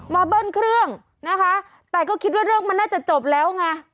เบิ้ลเครื่องนะคะแต่ก็คิดว่าเรื่องมันน่าจะจบแล้วไง